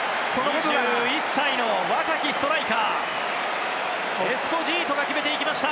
２１歳の若きストライカーエスポジートが決めました！